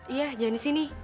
iya jangan di sini